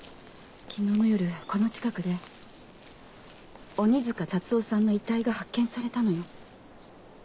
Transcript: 昨日の夜この近くで鬼塚辰夫さんの遺体が発見されたのよ。